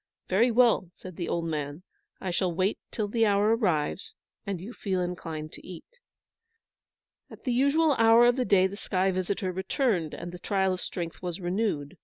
"Very well," said the old man. "I shall wait till the hour arrives, and you feel inclined to eat." At the usual hour of the day the sky visitor returned, and the trial of strength was renewed.